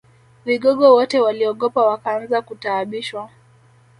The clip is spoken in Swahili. Vigogo wote waliogopa wakaanza kutaabishwa